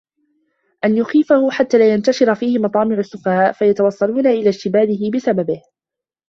أَنْ يُخْفِيَهُ حَتَّى لَا يَنْتَشِرَ فِيهِ مَطَامِعُ السُّفَهَاءِ فَيَتَوَصَّلُونَ إلَى اجْتِذَابِهِ بِسَبِّهِ